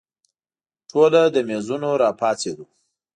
ټوله له مېزونو راپاڅېدو.